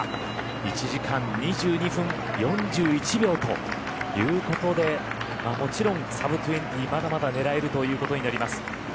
１時間２２分４１秒ということでもちろんサブトゥエンティーまだまだ狙えるということになります。